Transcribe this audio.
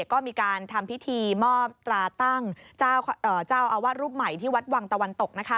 ก็มีการทำพิธีมอบตราตั้งเจ้าอาวาสรูปใหม่ที่วัดวังตะวันตก